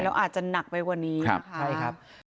แล้วอาจจะหนักไปกว่านี้นะคะ